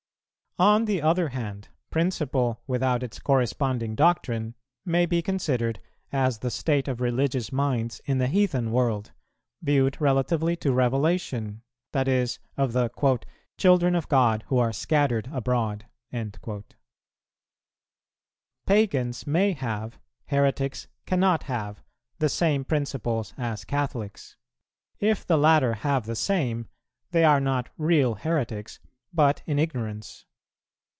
On the other hand, principle without its corresponding doctrine may be considered as the state of religious minds in the heathen world, viewed relatively to Revelation; that is, of the "children of God who are scattered abroad." Pagans may have, heretics cannot have, the same principles as Catholics; if the latter have the same, they are not real heretics, but in ignorance.